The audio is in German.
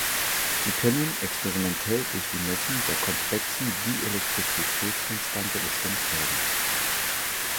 Sie können experimentell durch die Messung der komplexen Dielektrizitätskonstante bestimmt werden.